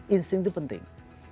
insting itu penting